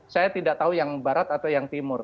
saya tidak tahu yang barat atau yang timur